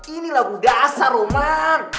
ini lagu dasar roman